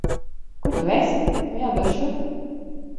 Kur tu esi? Tev jābrauc šurp.